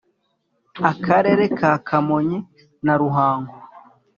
akarere ka kamonyi na ruhango